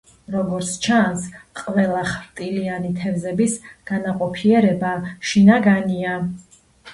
როგორც ჩანს, ყველა ხრტილიანი თევზების განაყოფიერება შინაგანია.